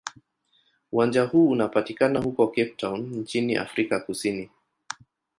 Uwanja huu unapatikana huko Cape Town nchini Afrika Kusini.